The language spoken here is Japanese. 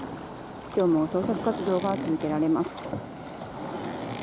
今日も捜索活動が続けられます。